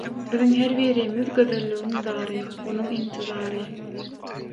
Biziň her birimiz gözelligiň zary, onuň intizary.